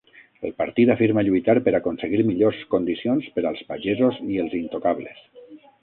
El partit afirma lluitar per aconseguir millors condicions per als pagesos i els intocables.